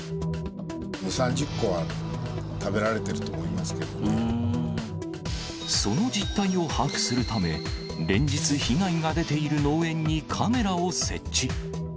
２、３０個は食べられてるとその実態を把握するため、連日、被害が出ている農園にカメラを設置。